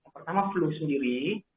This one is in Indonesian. pertama flu sendiri